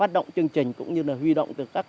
đóng góp cùng với nhà nước